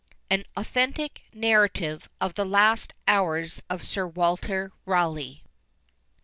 AN AUTHENTIC NARRATIVE OF THE LAST HOURS OF SIR WALTER RAWLEIGH.